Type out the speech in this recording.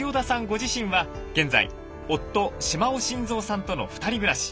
ご自身は現在夫・島尾伸三さんとの２人暮らし。